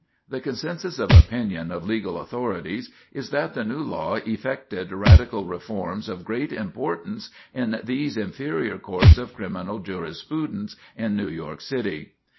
The consensus of opinion of legal authorities is that the new law effected radical reforms of great importance in these inferior courts of criminal jurisprudence in New York City.